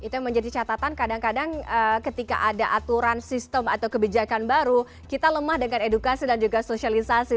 itu yang menjadi catatan kadang kadang ketika ada aturan sistem atau kebijakan baru kita lemah dengan edukasi dan juga sosialisasi